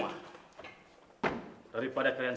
maknanya hepaturgika lainnya pun